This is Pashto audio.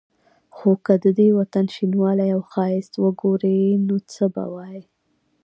خو که د دې وطن شینوالی او ښایست وګوري نو څه به وايي.